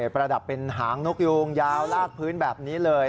ประดับเป็นหางนกยูงยาวลากพื้นแบบนี้เลย